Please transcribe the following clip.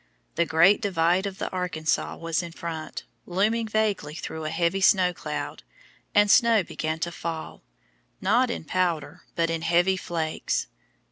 The great Divide of the Arkansas was in front, looming vaguely through a heavy snow cloud, and snow began to fall, not in powder, but in heavy flakes.